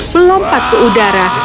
melompat ke udara